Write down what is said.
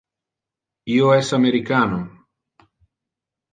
Io es americano.